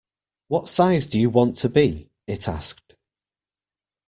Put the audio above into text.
‘What size do you want to be?’ it asked.